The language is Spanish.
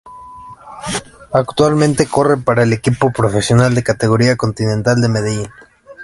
Actualmente corre para el equipo profesional de categoría Continental el Medellín.